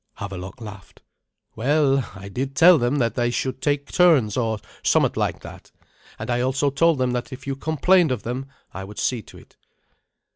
Havelok laughed. "Well, I did tell them that they should take turns, or somewhat like that; and I also told them that if you complained of them I would see to it."